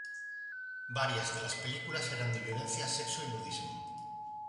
Varias de las películas eran de violencia, sexo y nudismo.